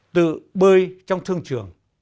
tự bơi trong thương trường